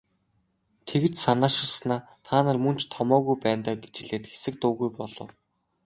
Тэгж санааширснаа "Та нар мөн ч томоогүй байна даа" гэж хэлээд хэсэг дуугүй болов.